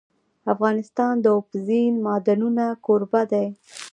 افغانستان د اوبزین معدنونه کوربه دی.